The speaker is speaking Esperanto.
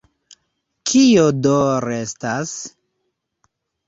Kio do restas?